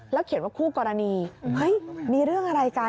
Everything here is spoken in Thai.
แล้วเขียนว่าคู่กรณีมีเรื่องอะไรกัน